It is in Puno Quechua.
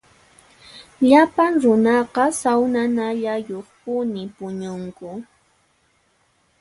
Llapan runaqa sawnanallayuqpuni puñunku.